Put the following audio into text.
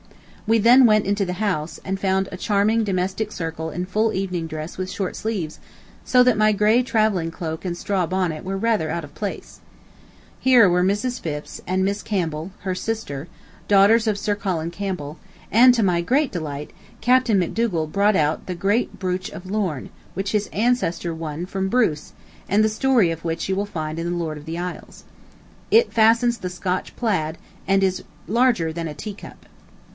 We then went into the house, and found a charming domestic circle in full evening dress with short sleeves, so that my gray travelling cloak and straw bonnet were rather out of place. Here were Mrs. Phipps, and Miss Campbell, her sister, daughters of Sir Colin Campbell, and to my great delight, Captain MacDougal brought out the great brooch of Lorn, which his ancestor won from Bruce and the story of which you will find in the Lord of the Isles. It fastened the Scotch Plaid, and is larger than a teacup.